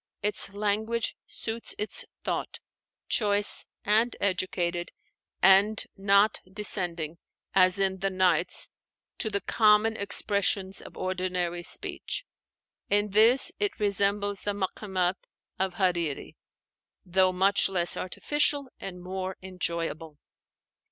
Its language suits its thought: choice and educated, and not descending as in the 'Nights' to the common expressions of ordinary speech. In this it resembles the 'Makamat' of Hariri, though much less artificial and more enjoyable.